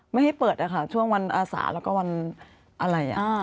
ไม่ให้เปิดนะคะช่วงวันอาสาแล้วก็วันอะไร